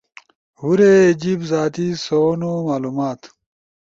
ہُورے جیِب، زاتی سونو معلومات